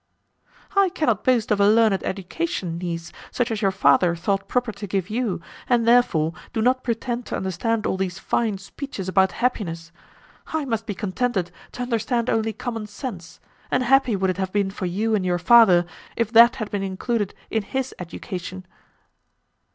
"I cannot boast of a learned education, niece, such as your father thought proper to give you, and, therefore, do not pretend to understand all these fine speeches about happiness. I must be contented to understand only common sense, and happy would it have been for you and your father, if that had been included in his education."